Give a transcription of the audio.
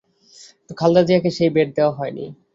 কিন্তু খালেদা জিয়াকে সেই বেড দেওয়া হয়নি।